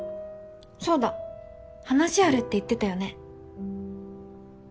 そうだ話あるって言ってたよね？